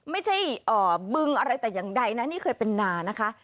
บึงอะไรแต่อย่างใดนะนี่เคยเป็นนานะคะ